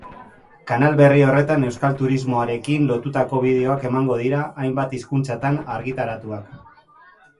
Kanal berri horretan euskal turismoarekin lotutako bideoak emango dira, hainbat hizkuntzatan argitaratuak.